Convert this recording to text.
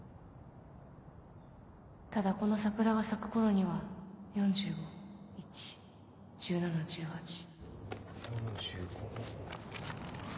ただこの桜が咲くころには ４５−１−１７ ・１８４５。